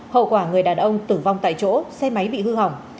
hậu quả người đàn ông tử vong tại chỗ xe máy bị hư hỏng